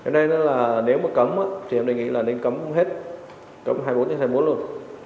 nên là nếu mà cấm thì em đề nghị là nên cấm hết cấm hai mươi bốn hai mươi bốn luôn